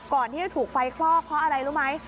ก่อนที่จะถูกไฟคลอกเพราะอะไรรู้ไหม